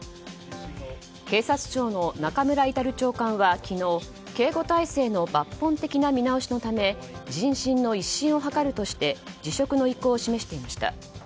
警察庁の中村格長官は昨日警護態勢の抜本的な見直しのため人心の一新を図るとして辞職の意向を示していました。